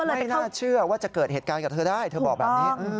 ไม่น่าเชื่อว่าจะเกิดเหตุการณ์กับเธอได้เธอบอกแบบนี้